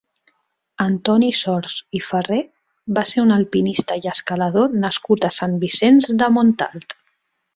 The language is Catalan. Antoni Sors i Ferrer va ser un alpinista i escalador nascut a Sant Vicenç de Montalt.